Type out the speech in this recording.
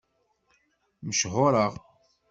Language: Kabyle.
Mechuṛeɣ.